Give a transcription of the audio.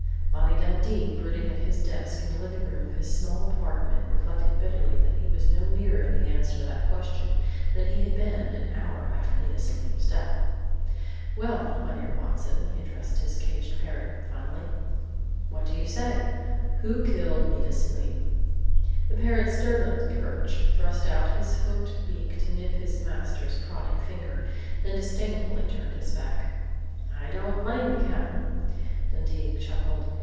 _ Bonnie Dundee, brooding at his desk in the living room of his small apartment, reflected bitterly that he was no nearer the answer to that question than he had been an hour after Nita Selim's death. "Well, 'my dear Watson'," he addressed his caged parrot finally. "What do you say?... Who killed Nita Selim?" The parrot stirred on his perch, thrust out his hooked beak to nip his master's prodding finger, then disdainfully turned his back. "I don't blame you, Cap'n," Dundee chuckled.